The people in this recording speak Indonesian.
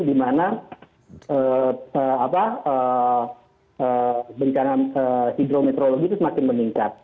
di mana hidrometrologi itu semakin meningkat